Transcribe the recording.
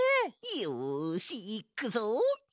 よしいっくぞ！